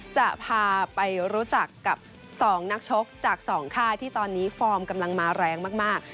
จะพาไปรู้จักกับ๒นักชกจาก๒ค่ายที่ตอนนี้ฟอร์มกำลังมาแรงมาก